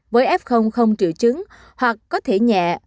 với f không triệu chứng hoặc có thể nhẹ